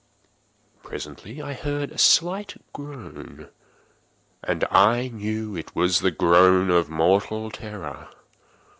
Presently I heard a slight groan, and I knew it was the groan of mortal terror.